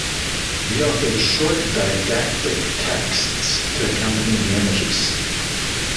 He authored short didactic texts to accompany the images.